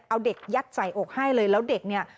เอาเด็กยัดใส่อกให้เลยแล้วเด็กเนี่ย